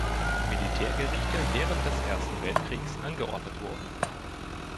Militärgerichte während des Ersten Weltkriegs angeordnet wurden.